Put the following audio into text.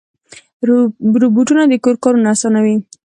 روبوټونه د کور کارونه اسانوي.